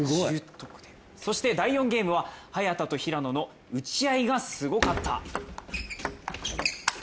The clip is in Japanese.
そして第４ゲームは早田と平野の打ち合いがすごかった。